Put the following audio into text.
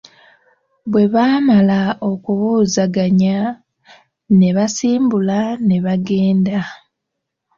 Bwe baamala okubuuzaganya, ne basimbula ne bagenda.